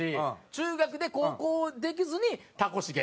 中学で高校できずにたこしげ。